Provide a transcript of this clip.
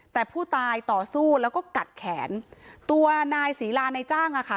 แต่ผู้ตายต่อสู้แล้วก็กัดแขนตัวนายศรีลานายจ้างอ่ะค่ะ